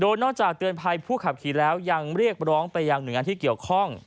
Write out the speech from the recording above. นอกจากเตือนภัยผู้ขับขี่แล้วยังเรียกร้องไปยังหน่วยงานที่เกี่ยวข้อง